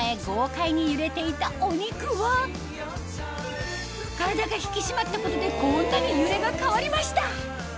豪快に揺れていたお肉は体が引き締まったことでこんなに揺れが変わりました